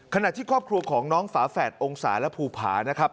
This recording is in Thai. ขณะที่ครอบครัวของน้องฝาแฝดองศาและภูผานะครับ